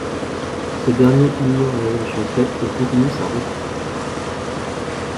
Ce dernier ignore l'injonction faite et continue sa route.